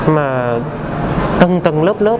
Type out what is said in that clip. mà tầng tầng lớp lớp